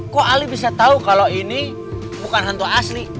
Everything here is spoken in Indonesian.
kok ali bisa tahu kalau ini bukan hantu asli